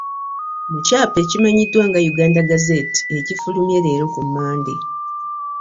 Mu kyapa ekimanyiddwa nga ‘Uganda Gazette' ekifulumye leero ku Mmande